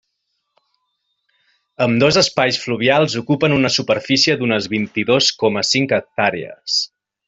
Ambdós espais fluvials ocupen una superfície d'unes vint-i-dos coma cinc hectàrees.